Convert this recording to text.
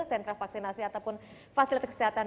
sentra vaksinasi ataupun fasilitas kesehatan